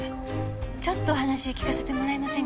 ちょっとお話聞かせてもらえませんか？